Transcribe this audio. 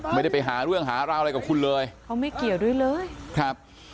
ไม่ได้ไปหาเรื่องหาราวอะไรกับคุณเลยเขาไม่เกี่ยวด้วยเลยครับ